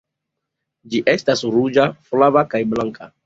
Ĝi estas ruĝa, flava, kaj blanka.